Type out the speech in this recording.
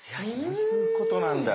そういうことなんだ。